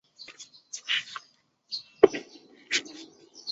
还存在一些盐度极高的永不冰冻的小水塘。